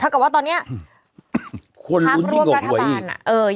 ถ้าเกิดว่าตอนนี้ภาพรวมรัฐบาลควรรู้ที่หกไว้อีก